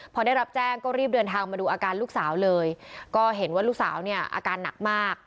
พอได้รับแจ้งก็รีบเดินทางมาดูอาการลูกสาวเลยก็เห็นว่าลูกสาวเนี่ยอาการหนักมาก